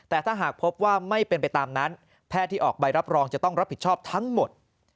แต่ถ้าหากพบว่าไม่เป็นไปตามนั้นแพทย์ที่ออกใบรับรองจะต้องรับผิดชอบทั้งหมด